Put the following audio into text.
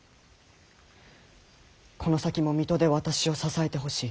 この先も水戸で私を支えてほしい。